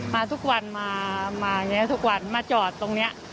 มาทุกวันมาอย่างนี้ทุกวันมาจอดตรงนี้